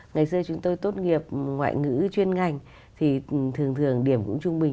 ngày xưa chúng tôi tốt nghiệp ngoại ngữ chuyên ngành thì thường thường điểm cũng trung bình